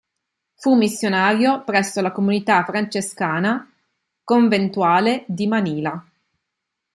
Fu missionario presso la comunità francescana conventuale di Manila.